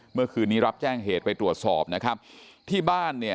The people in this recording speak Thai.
เมื่อคืนนี้รับแจ้งเหตุไปตรวจสอบนะครับที่บ้านเนี่ย